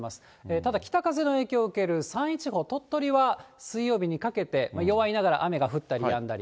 ただ北風の影響を受ける山陰地方、鳥取は水曜日にかけて、弱いながら雨が降ったりやんだり。